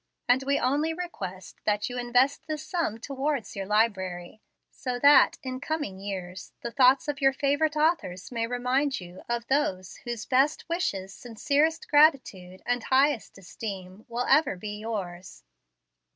And we only request tint you invest this sum towards your library, so that, in coming years, the thoughts of your favorite authors may remind you of those whose best wishes, sincerest gratitude, and highest esteem Will ever be yours.